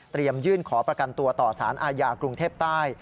ยื่นขอประกันตัวต่อสารอาญากรุงเทพใต้